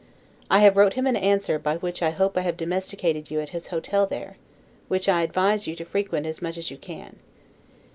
I have wrote him an answer by which I hope I have domesticated you at his hotel there; which I advise you to frequent as much as you can.